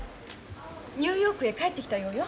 ニューヨークへ帰ってきたようよ。